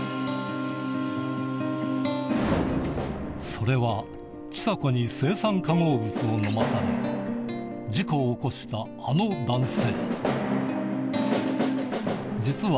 それは千佐子に青酸化合物を飲まされ事故を起こしたあの男性